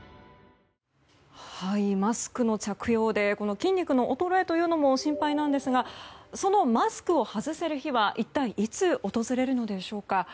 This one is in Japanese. マスクの着用で筋肉の衰えも心配なんですがそのマスクを外せる日は一体いつ訪れるのでしょうか。